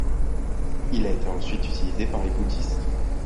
Il a été ensuite utilisé par les bouddhistes.